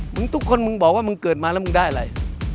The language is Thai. ทุกคนมึงบอกว่ามึงเกิดมาแล้วมึงได้อะไร